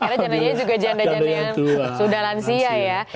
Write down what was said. karena jandanya juga janda janda yang sudah lansia ya